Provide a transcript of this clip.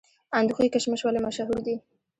اندخوی کشمش ولې مشهور دي؟